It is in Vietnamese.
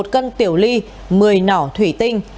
một cân tiểu ly một mươi nỏ thủy tinh